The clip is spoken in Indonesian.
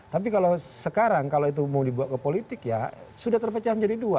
tapi kalau sekarang kalau itu mau dibawa ke politik ya sudah terpecah menjadi dua